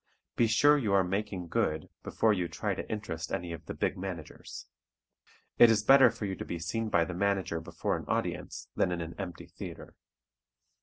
Be sure you are "making good" before you try to interest any of the big managers. It is better for you to be seen by the manager before an audience than in an empty theatre.